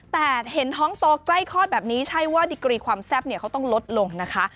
แต่เห็นท้องโตใกล้คลอดแบบนี้ใช่ว่าดิกรีความแซ่บเนี่ยเขาต้องลดลงนะคะ